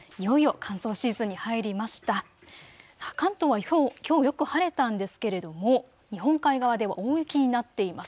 関東はきょうよく晴れたんですけれども日本海側で大雪になっています。